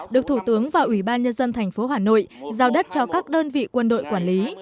được thủ tướng và ủy ban nhân dân thành phố hà nội giao đất cho các đơn vị quân đội quản lý